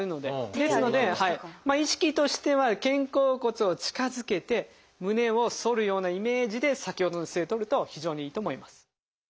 ですので意識としては肩甲骨を近づけて胸を反るようなイメージで先ほどの姿勢とると非常にいいと思います。